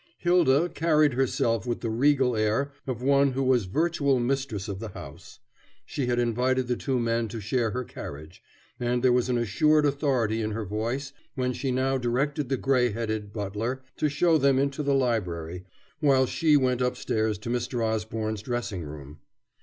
Hylda carried herself with the regal air of one who was virtual mistress of the house. She had invited the two men to share her carriage, and there was an assured authority in her voice when she now directed the gray headed butler to show them into the library while she went upstairs to Mr. Osborne's dressing room.